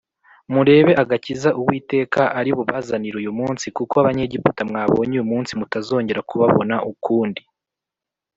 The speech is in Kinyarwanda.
murebe agakiza uwiteka ari bubazanire uyu munsi: kuko abanyegiputa mwabonye uyu munsi mutazongera kubabona ukundi.